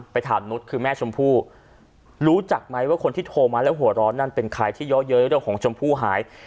ถามนุษย์คือแม่ชมพู่รู้จักไหมว่าคนที่โทรมาแล้วหัวร้อนนั่นเป็นใครที่เยอะเย้ยเรื่องของชมพู่หาย